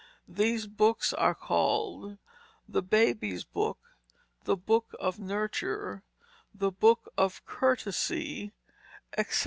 These books are called The Babees Boke, The Boke of Nurture, The Boke of Curteseye, etc.